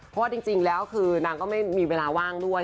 เพราะว่าจริงแล้วคือนางก็ไม่มีเวลาว่างด้วย